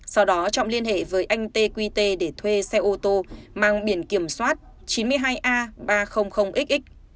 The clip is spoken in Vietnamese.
sau đó trọng liên hệ với anh tqt để thuê xe ô tô mang biển kiểm soát chín mươi hai a ba trăm linh xx